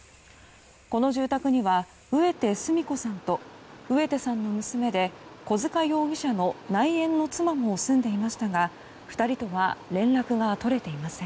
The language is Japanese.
この住宅には、植手純子さんと植手さんの娘で小塚容疑者の内縁の妻も住んでいましたが２人とは連絡が取れていません。